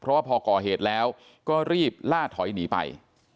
เพราะว่าพอก่อเหตุแล้วก็รีบล่าถอยหนีไป